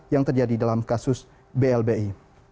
yang terjadi dalam kasus blbi